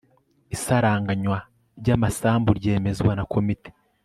isaranganywa ry'amasambu ryemezwa na komite